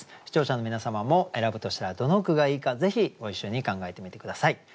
視聴者の皆様も選ぶとしたらどの句がいいかぜひご一緒に考えてみて下さい。